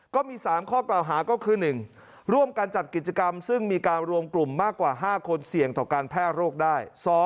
ก็มี๓ข้อกล่าวหาก็คือ๑ร่วมกันจัดกิจกรรมซึ่งมีการรวมกลุ่มมากกว่า๕คนเสี่ยงต่อการแพร่โรคได้